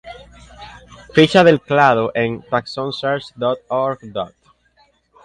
Ficha del clado en TaxonSearch.org.